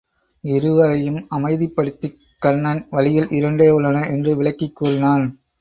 இருவரையும் அமைதிப்படுத்திக் கண்ணன் வழிகள் இரண்டே உள்ளன என்று விளக்கிக் கூறினான்.